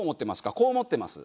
こう思ってます。